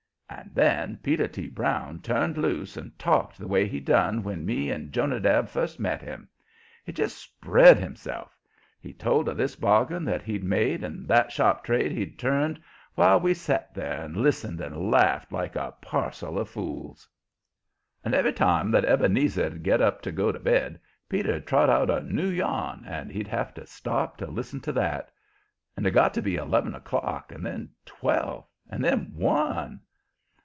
And then Peter T. Brown turned loose and talked the way he done when me and Jonadab first met him. He just spread himself. He told of this bargain that he'd made and that sharp trade he had turned, while we set there and listened and laughed like a parsel of fools. And every time that Ebenezer'd get up to go to bed, Peter'd trot out a new yarn and he'd have to stop to listen to that. And it got to be eleven o'clock and then twelve and then one.